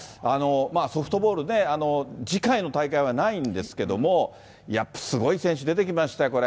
ソフトボールね、次回の大会はないんですけれども、やっぱすごい選手、出てきましたよ、これ。